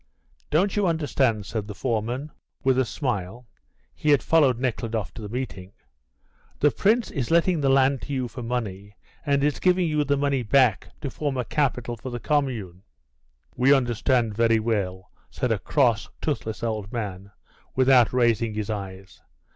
"Don't you understand?" said the foreman, with a smile (he had followed Nekhludoff to the meeting), "the Prince is letting the land to you for money, and is giving you the money back to form a capital for the commune." "We understand very well," said a cross, toothless old man, without raising his eyes.